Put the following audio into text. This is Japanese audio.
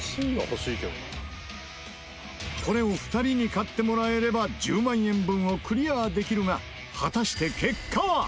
これを２人に買ってもらえれば１０万円分をクリアできるが。